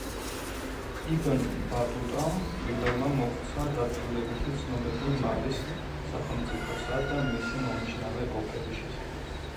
იბნ ბატუტამ პირველმა მოგვცა დაწვრილებითი ცნობები მალის სახელმწიფოსა და მისი მომიჯნავე ოლქების შესახებ.